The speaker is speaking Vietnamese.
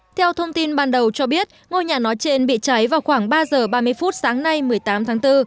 theo thông tin ban đầu cho biết ngôi nhà nói trên bị cháy vào khoảng ba giờ ba mươi phút sáng nay một mươi tám tháng bốn